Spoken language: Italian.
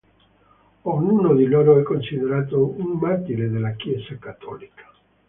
Ognuno di loro è considerato un martire della chiesa cattolica.